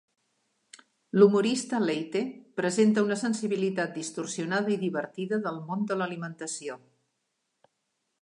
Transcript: L'humorista Leite, presenta una sensibilitat distorsionada i divertida del món de l'alimentació.